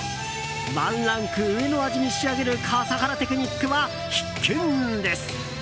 ワンランク上の味に仕上げる笠原テクニック必見です。